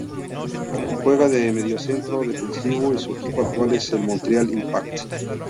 Juega de mediocentro defensivo y su equipo actual es el Montreal Impact.